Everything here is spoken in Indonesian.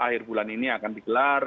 akhir bulan ini akan digelar